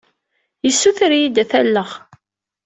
Yessuter-iyi-d ad t-alleɣ.